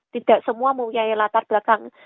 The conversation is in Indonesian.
tidak semua mempunyai latar belakang